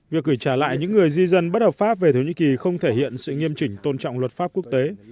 việc gửi trả lại những người di dân bất hợp pháp về thổ nhĩ kỳ không thể hiện sự nghiêm chỉnh tôn trọng luật pháp quốc tế